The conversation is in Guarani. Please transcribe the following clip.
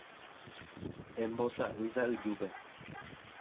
Embosa'y sa'yjúpe.